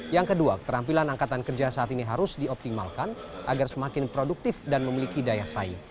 yang kedua keterampilan angkatan kerja saat ini harus dioptimalkan agar semakin produktif dan memiliki daya saing